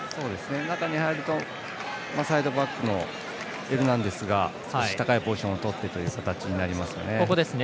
中に入るとサイドバックのエルナンデスが少し高いポジションをとってという形になりますね。